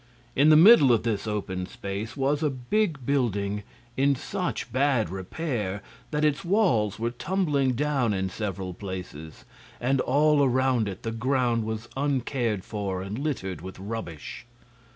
In the middle of this open space was a big building in such bad repair that its walls were tumbling down in several places, and all around it the ground was uncared for and littered with rubbish.